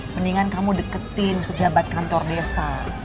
mendingan kamu deketin pejabat kantor desa